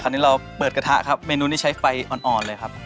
อันนี้เราเปิดกระทะครับเมนูนี้ใช้ไฟอ่อนเลยครับ